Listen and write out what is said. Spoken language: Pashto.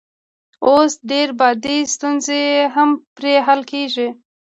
اوس درې بعدي ستونزې هم پرې حل کیږي.